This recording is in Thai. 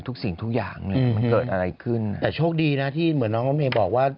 ทุกสิ่งทุกอย่างเลยมันเกิดอะไรขึ้นแต่โชคดีน่ะที่เหมือนน้องบอกว่า